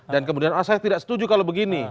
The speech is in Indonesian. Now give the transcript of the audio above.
dan kemudian saya tidak setuju kalau begini